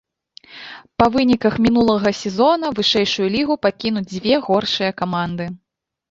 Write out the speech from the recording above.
Па выніках мінулага сезона вышэйшую лігу пакінуць дзве горшыя каманды.